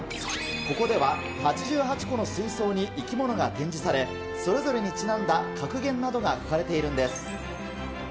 ここでは８８個の水槽に生き物が展示され、それぞれにちなんだ格言などが書かれているんです。